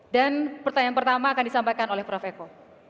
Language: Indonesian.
dan pertanyaan pertama akan disampaikan oleh prof eko